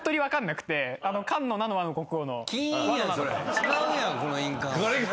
違うやんこの印鑑は。